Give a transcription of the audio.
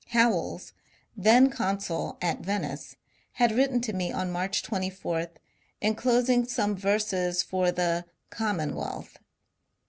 Howells, then consul at Ven ice, had written to me on March 24, enclosing some verses for the " Commonwealth.'